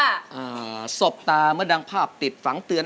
อ่าสบตาเมื่อดังภาพติดฝังเตือน